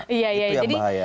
itu yang bahaya